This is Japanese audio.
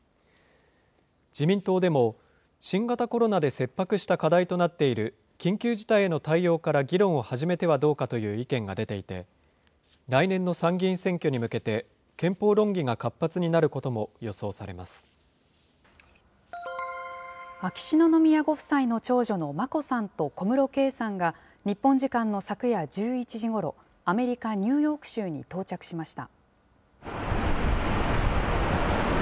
自民党でも、新型コロナで切迫した課題となっている、緊急事態への対応から議論を始めてはどうかという意見が出ていて、来年の参議院選挙に向けて、憲法論議が活発になることも予想され秋篠宮ご夫妻の長女の眞子さんと小室圭さんが、日本時間の昨夜１１時ごろ、アメリカ・ニューヨーク州に到着しました。